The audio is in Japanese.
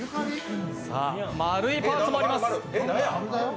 丸いパーツもあります。